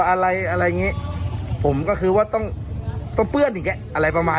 อะไรอะไรอย่างเงี้ยผมก็คือว่าต้องต้องเปื้อนอย่างเงี้อะไรประมาณ